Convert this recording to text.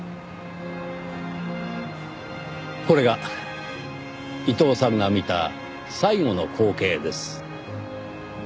これが伊藤さんが見た最後の光景です。